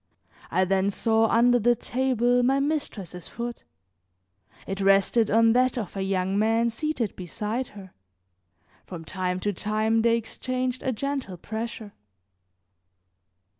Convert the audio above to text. I then saw under the table my mistress's foot; it rested on that of a young man seated beside her; from time to time they exchanged a gentle pressure.